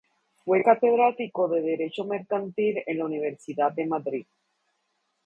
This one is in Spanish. Fue catedrático de derecho mercantil en la Universidad de Madrid.